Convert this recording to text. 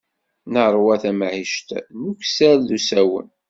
Neṛwa tamɛict n ukessar d usawen.